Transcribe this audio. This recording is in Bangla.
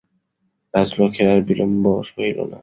রাজলক্ষ্মীর আর বিলম্ব সহিল না।